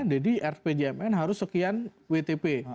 jadi rpjmn harus sekian wtp